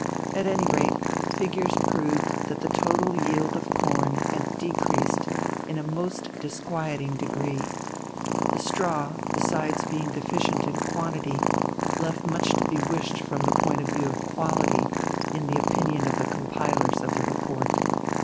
At any rate figures proved that the total yield of corn had decreased in a most disquieting degree. The straw, besides being deficient in quantity, left much to be wished from the point of view of quality, in the opinion of the compilers of the report.